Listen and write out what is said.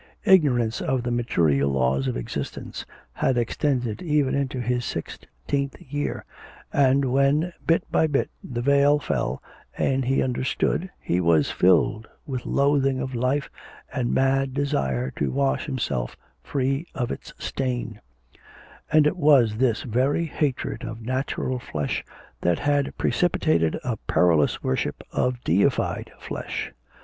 Ignorance of the material laws of existence had extended even into his sixteenth year, and when, bit by bit, the veil fell, and he understood, he was filled with loathing of life and mad desire to wash himself free of its stain; and it was this very hatred of natural flesh that had precipitated a perilous worship of deified flesh.